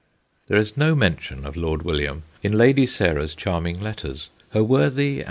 There is no mention of Lord William in Lady Sarah's charming letters. Her worthy and.